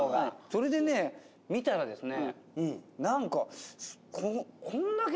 それでね見たらですね